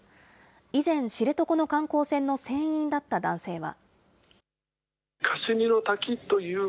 以前、知床の観光船の船員だった男性は。